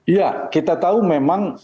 ya kita tahu memang pemilihan itu